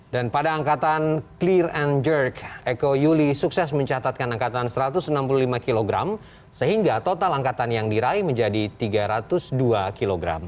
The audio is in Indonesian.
dan pada angkatan clear and jerk eko yuli sukses mencatatkan angkatan satu ratus enam puluh lima kg sehingga total angkatan yang diraih menjadi tiga ratus dua kg